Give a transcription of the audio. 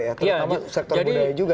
terutama sektor budaya juga